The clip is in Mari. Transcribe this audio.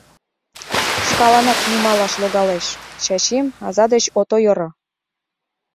Шкаланак нумалаш логалеш, Чачим аза деч от ойыро.